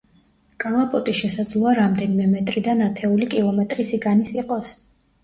კალაპოტი შესაძლოა რამდენიმე მეტრიდან ათეული კილომეტრი სიგანის იყოს.